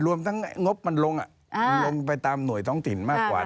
รวมทั้งงบมันลงไปตามหน่วยท้องศิลป์มากกว่า